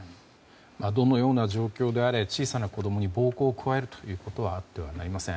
どのような状況であれ小さな子供に暴行を加えるということはあってはなりません。